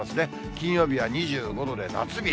金曜日は２５度で夏日。